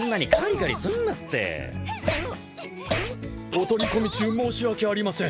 お取り込み中申し訳ありません。